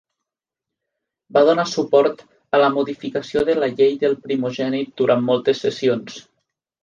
Va donar suport a la modificació de la llei del primogènit durant moltes sessions.